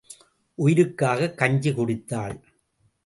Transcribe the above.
உயிருக்காக கஞ்சி குடித்தாள்.